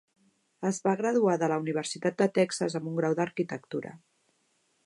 Es va graduar de la Universitat de Texas amb un grau d'arquitectura.